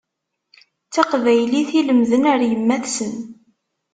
D taqbaylit i lemden ar yemma-tsen.